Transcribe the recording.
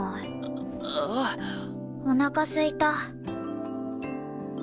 おなかすいた。